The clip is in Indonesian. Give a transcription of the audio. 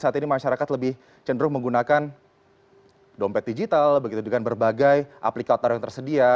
saat ini masyarakat lebih cenderung menggunakan dompet digital begitu dengan berbagai aplikator yang tersedia